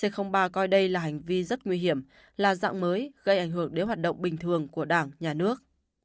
c ba coi đây là hành vi rất nguy hiểm là dạng mới gây ảnh hưởng đến hoạt động bình thường của đảng nhà nước